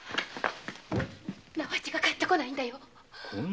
直八が帰って来ないんだよ。